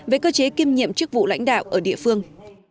về cơ chế kiêm nhiệm chức vụ lãnh đạo ở địa phương